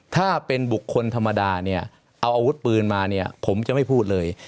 ถ้าเป็นบุคคลธรรมดาเนี่ยเอาอาวุธปืนมาเนี่ยผมจะไม่พูดเลย